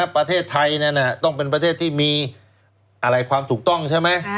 ประเทศไทยนั้นต้องเป็นประเทศที่มีอะไรความถูกต้องใช่ไหม